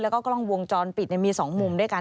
แล้วก็กล้องวงจรปิดมี๒มุมด้วยกัน